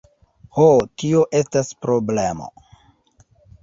Ho, tio estas problemo!